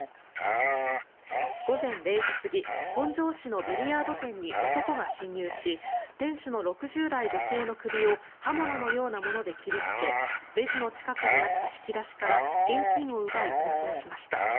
午前０時過ぎ本庄市のビリヤード店に男が侵入し店主の６０代女性の首を刃物のようなもので切りつけレジの近くにあった引き出しから現金を奪い、逃走しました。